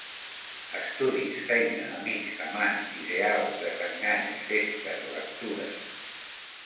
Estudis feina amics amants ideals desenganys festes lectures.